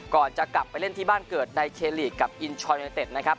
ก่อนจะกลับไปเล่นที่บ้านเกิดในเคลีกกับอินชอยูเนเต็ดนะครับ